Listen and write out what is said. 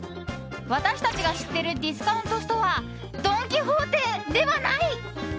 私たちが知っているディスカウントストアドン・キホーテではない！